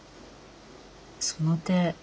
その手。